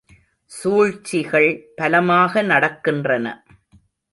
சூழ்ச்சிகள் பலமாக நடக்கின்றன.